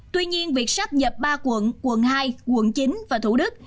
tuy nhiên việc sắp nhập ba quận quận hai quận chín và thủ đức